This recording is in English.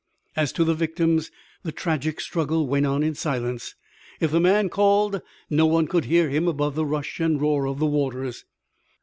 As to the victims, the tragic struggle went on in silence. If the man called, no one could hear him above the rush and roar of the waters.